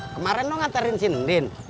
kemaren lo nganterin si nendin